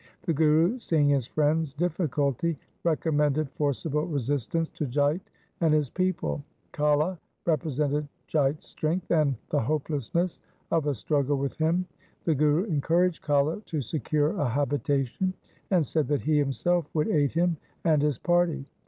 The Guru, seeing his friends' difficulty, recommended forcible resistance to Jait and his people. Kala represented J ait's strength and the hopelessness of a struggle with him. The Guru encouraged Kala to secure a habitation, and said that he himself would aid him and his party.